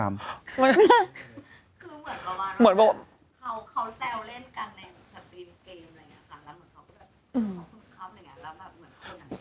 แล้วเหมือนเขาบอกว่าขอบคุณครับอะไรอย่างนี้